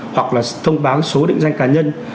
hoặc là thông báo số định danh cá nhân